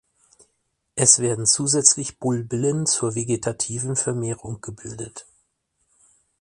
Es werden zusätzlich Bulbillen zur vegetativen Vermehrung gebildet.